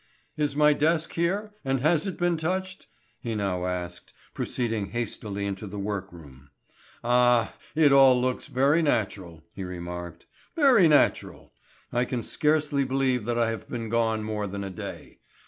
"Is my desk here, and has it been touched?" he now asked, proceeding hastily into the workroom. "Ah, it all looks very natural," he remarked; "very natural! I can scarcely believe that I have been gone more than a day.